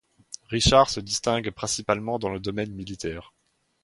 Richard se distingue principalement dans le domaine militaire.